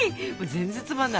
全然つまんない。